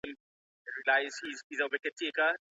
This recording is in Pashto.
اسلامي حکومت د ازادۍ لپاره مصارف وټاکل.